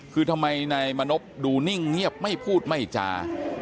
คือทำไมนายมณพดูนิ่งเงียบไม่พูดไม่จา